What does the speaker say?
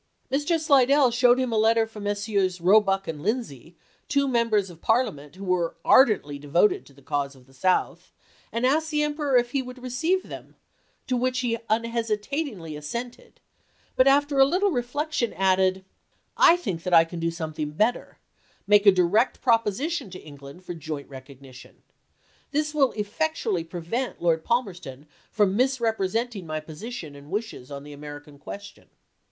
Mr. Slidell showed him a letter from Messrs. Eoebuck and Lindsay, isea. two Members of Parliament who were ardently devoted to the cause of the South, and asked the Emperor if he would receive them, to which he unhesitatingly assented ; but after a little reflection added, " I think that I can do something better — make a du ect proposition to England for joint recognition. This will effectually prevent Lord Palmerston from misrepresenting my position and wishes on the American question."